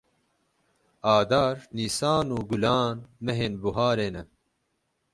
Adar, Nîsan û Gulan mehên buharê ne.